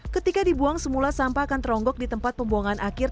ketika dibuang semula sampah akan teronggok di tempat pembuangan akhir